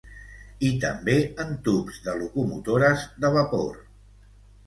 I també en tubs de locomotores de vapor.